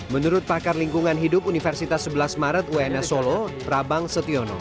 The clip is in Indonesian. menurut pakar lingkungan hidup universitas sebelas maret uns solo prabang setiono